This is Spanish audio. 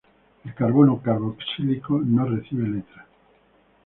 El carbono carboxílico no recibe letra.